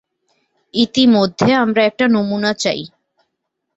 ইতিমধ্যে আমরা একটা নমুনা চাই।